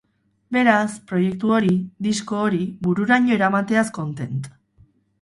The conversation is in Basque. Beraz, proiektu hori, disko hori, bururaino eramateaz kontent.